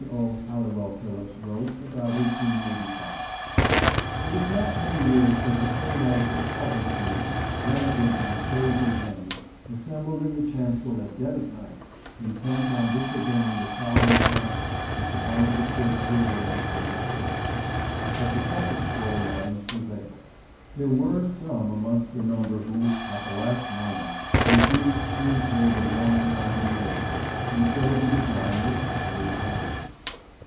O. Halliwell Phillipps wrote, about 1885: "It is not many years since a phalanx of trouble tombs, lanterns and spades in hand, assembled in the chancel at dead of night, intent on disobeying the solemn injunction that the bones of Shakespeare were not to be disturbed. But the supplicatory lines prevailed. There were some amongst the number who, at the last moment, refused to incur the warning condemnation and so the design was happily abandoned."